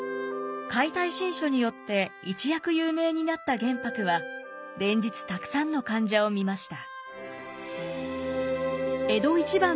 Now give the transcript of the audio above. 「解体新書」によって一躍有名になった玄白は連日たくさんの患者を診ました。